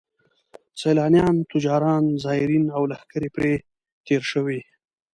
سیلانیان، تجاران، زایرین او لښکرې پرې تېر شوي.